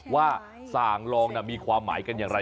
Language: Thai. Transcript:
ว่าสั่งลองมีความหมายกันอย่างไร